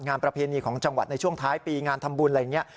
ประเพณีของจังหวัดในช่วงท้ายปีงานทำบุญอะไรอย่างนี้